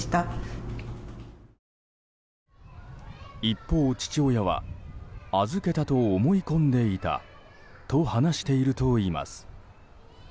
一方、父親は預けたと思い込んでいたと話しているといいます。